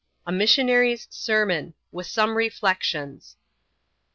A MissioDary's Sermoa ; with some Reflections.